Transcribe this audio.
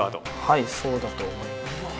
はいそうだと思います。